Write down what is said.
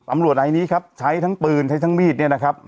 ในนี้ครับใช้ทั้งปืนใช้ทั้งมีดเนี่ยนะครับ